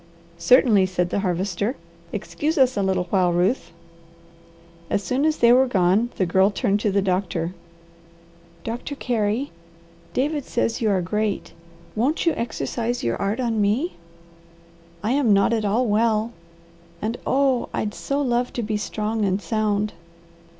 "Certainly," said the Harvester. "Excuse us a little while, Ruth!" As soon as they were gone the Girl turned to the doctor. "Doctor Carey, David says you are great. Won't you exercise your art on me. I am not at all well, and oh! I'd so love to be strong and sound."